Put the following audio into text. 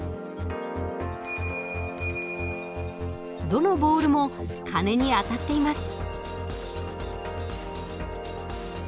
どのボールも鐘に当たっています。